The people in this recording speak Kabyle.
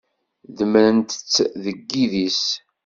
Demmren-tt deg yidis.